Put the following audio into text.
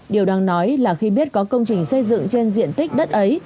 điều đang nói là khi biết có công trình xây dựng trên diện tích đất ấy